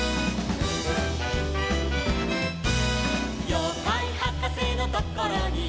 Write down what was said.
「ようかいはかせのところに」